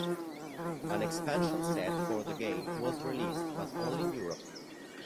An Expansion Set for the game was released, but only in Europe.